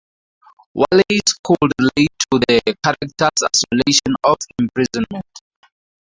Wallace could relate to the character's isolation of imprisonment.